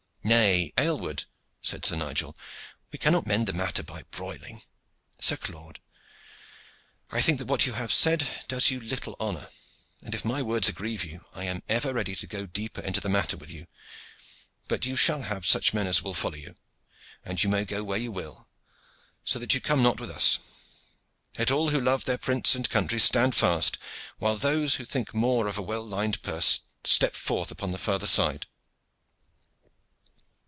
"Nay, Aylward," said Sir Nigel, "we cannot mend the matter by broiling. Sir Claude, I think that what you have said does you little honor, and if my words aggrieve you I am ever ready to go deeper into the matter with you. But you shall have such men as will follow you, and you may go where you will, so that you come not with us. Let all who love their prince and country stand fast, while those who think more of a well lined purse step forth upon the farther side."